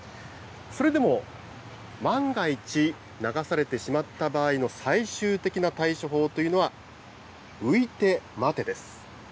それでも万が一、流されてしまった場合の最終的な対処法というのは、浮いて待てです。